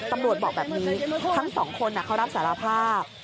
ตำรวจบอกแบบนี้ทั้งสองคนเขารับสารภาพ